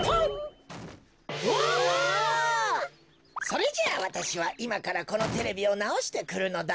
それじゃあわたしはいまからこのテレビをなおしてくるのだ。